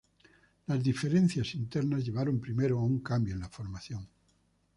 Las diferencias internas llevaron primero a un cambio en la formación.